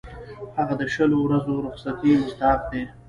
هغه د شلو ورځو رخصتۍ مستحق دی.